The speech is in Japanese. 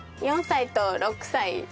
４歳と６歳。